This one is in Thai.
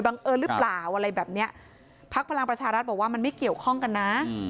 เอิญหรือเปล่าอะไรแบบเนี้ยพักพลังประชารัฐบอกว่ามันไม่เกี่ยวข้องกันนะ